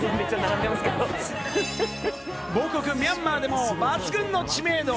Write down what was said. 母国・ミャンマーでも抜群の知名度。